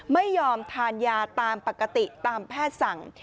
ไม่ยอมทานยาตามปกติตามแพทย์สั่ง